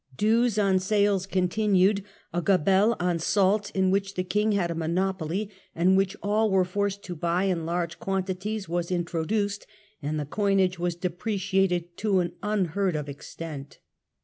Dues on *^^^ sales continued, a gabelle on salt, in which the King had a monopoly and which all were forced to buy in large quantities, was introduced, and the coinage was depreciated to an unheard of extent.